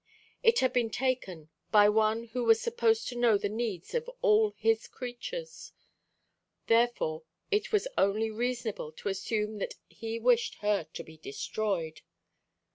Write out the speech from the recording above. It had been taken by One who was supposed to know the needs of all His creatures. Therefore it was only reasonable to assume that He wished her to be destroyed.